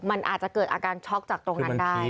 มันอาจจะเกิดอาการช็อกจากตรงนั้นได้